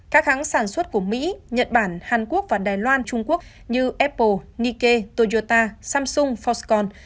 các hãng sản xuất của mỹ nhật bản hàn quốc và đài loan trung quốc như apple nike toyota samsung foxcon